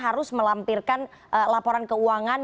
harus melampirkan laporan keuangan